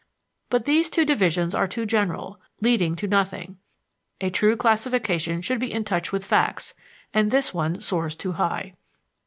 But these two divisions are too general, leading to nothing. A true classification should be in touch with facts, and this one soars too high.